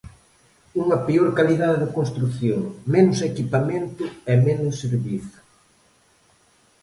Unha peor calidade de construción, menos equipamento e menos servizo.